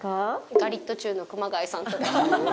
ガリットチュウの熊谷さんとか。